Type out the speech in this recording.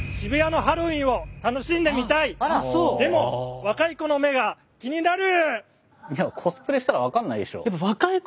でも若い子の目が気になる！